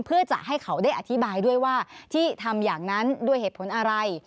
เพื่อจะให้เขาได้อธิบายด้วยว่าที่ทำอย่างนั้นด้วยเหตุผลอะไร